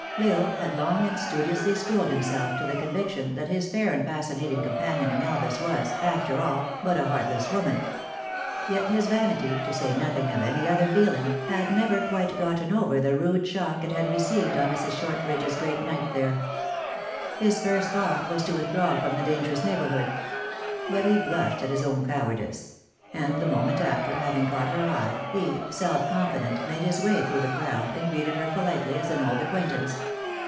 L Isle had long and studiously schooled himself to the conviction that his fair and fascinating com panion in Elvas was, after all, but a heartless woman. Yet his vanity, to say nothing of any other feeling, had never quite gotten over the rude shock it had re ceived on Mrs. Shortridge s great night there. His first thought was to withdraw from the dangerous neighborhood. But he blushed at his own cowardice; and the moment after, having caught her eye, he, self confident, made his way through the crowd, and greeted her politely as an old acquaintance.